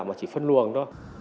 mà chỉ phân luồng thôi